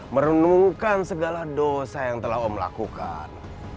merenungkan segala dosa yang telah om lakukan